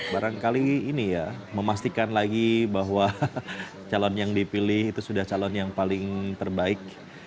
barangkali ini ya memastikan lagi bahwa calon yang dipilih itu sudah calon yang paling terbaik